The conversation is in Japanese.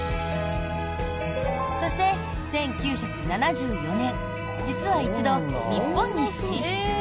そして、１９７４年実は一度、日本に進出。